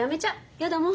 やだもん。